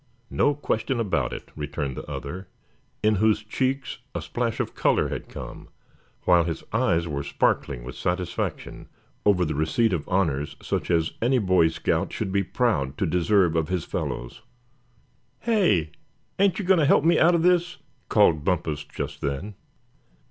"No question about it," returned the other, in whose cheeks a splash of color had come, while his eyes were sparkling with satisfaction over the receipt of honors such as any Boy Scout should be proud to deserve of his fellows. "Hey! ain't you goin' to help me out of this?" called Bumpus just then.